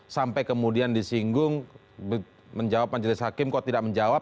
sampai kemudian disinggung menjawab majelis hakim kok tidak menjawab